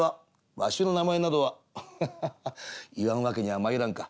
「わしの名前などはハハハハッ言わん訳にはまいらんか。